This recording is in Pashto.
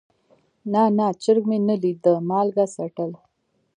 نه نه چرګ مې نه ليده مالګه څټل.